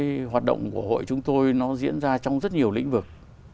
cái hoạt động của hội chúng tôi nó diễn ra trong rất nhiều lĩnh vực